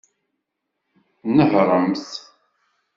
Nehṛemt!